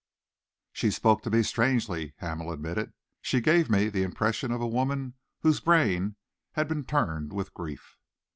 "She spoke to me strangely," Hamel admitted. "She gave me the impression of a woman whose brain had been turned with grief."